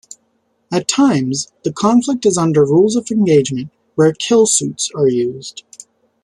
At times, the conflict is under rules of engagement where "killsuits" are used.